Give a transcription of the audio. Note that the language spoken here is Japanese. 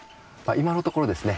今のところですね